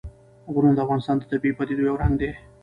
غرونه د افغانستان د طبیعي پدیدو یو رنګ دی.